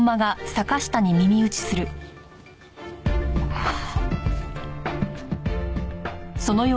ああ。